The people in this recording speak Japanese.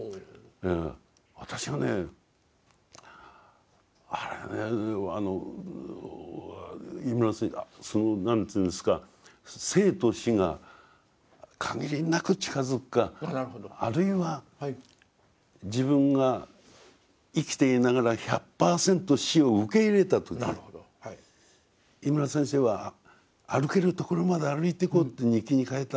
私がねあれはねその何ていうんですか生と死が限りなく近づくかあるいは自分が生きていながら１００％死を受け入れた時井村先生は歩けるところまで歩いていこうって日記に書いた。